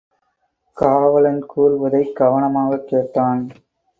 காவலன் கூறுவதைக் கவனமாகக் கேட்டான்.